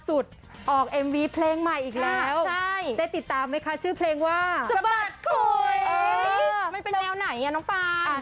เออมันเป็นแนวไหนอ่ะน้องฟ้า